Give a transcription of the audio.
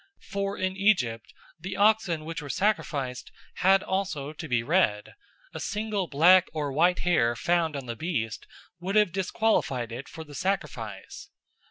For in Egypt the oxen which were sacrificed had also to be red; a single black or white hair found on the beast would have disqualified it for the sacrifice.